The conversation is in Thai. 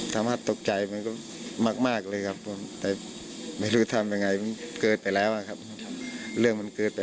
ตกใจมันก็มากเลยครับผมไม่รู้ทำยังไงมันเกิดไปแล้วครับเรื่องมันเกิดไป